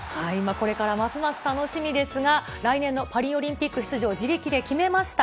これからますます楽しみですが、来年のパリオリンピック出場、自力で決めました。